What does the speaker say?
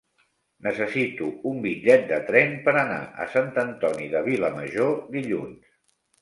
Necessito un bitllet de tren per anar a Sant Antoni de Vilamajor dilluns.